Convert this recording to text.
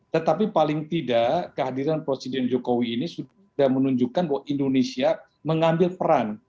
tetapi paling tidak kehadiran presiden jokowi ini sudah menunjukkan bahwa indonesia mengambil peran